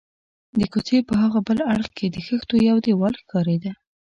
د کوڅې په هاغه بل اړخ کې د خښتو یو دېوال ښکارېده.